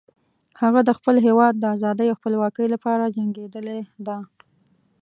هغه د خپل هیواد د آزادۍ او خپلواکۍ لپاره جنګیدلی ده